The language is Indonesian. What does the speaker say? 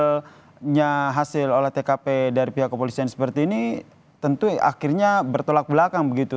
hasilnya hasil olah tkp dari pihak kepolisian seperti ini tentu akhirnya bertolak belakang begitu